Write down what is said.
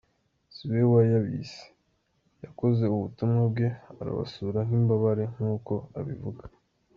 Siwe wayabise. Yakoze ubutumwa bwe arabasura nk’imbabare nk’uko abivuga.